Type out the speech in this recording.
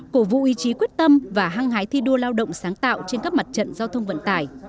cổ vụ ý chí quyết tâm và hăng hái thi đua lao động sáng tạo trên các mặt trận giao thông vận tải